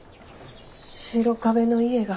白壁の家が。